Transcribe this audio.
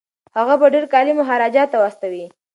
هغه به ډیر کالي مهاراجا ته واستوي.